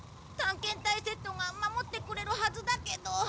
探検隊セットが守ってくれるはずだけど。